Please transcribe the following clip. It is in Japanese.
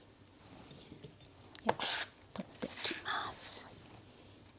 取ってきます。